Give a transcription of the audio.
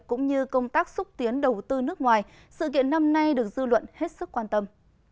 cũng như công tác xúc tiến đầu tư nước ngoài sự kiện năm nay được dư luận hết sức quan tâm